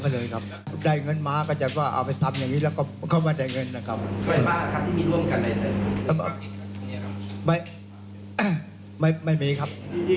คุณนางวาดวัดไม่รู้ครับ